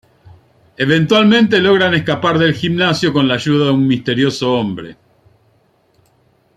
Eventualmente logran escapar del gimnasio con la ayuda de un misterioso hombre.